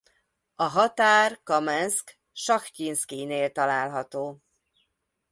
A határ Kamenszk-Sahtyinszkijnél található.